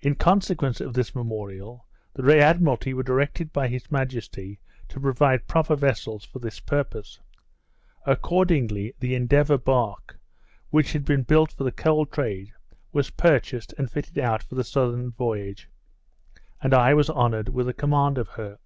In consequence of this memorial, the Admiralty were directed by his majesty to provide proper vessels for this purpose. Accordingly, the Endeavour bark, which had been built for the coal trade, was purchased and fitted out for the southern voyage, and I was honoured with the command of her.